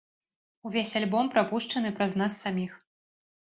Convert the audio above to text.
Увесь альбом прапушчаны праз нас саміх.